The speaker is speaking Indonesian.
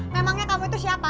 memangnya kamu itu siapa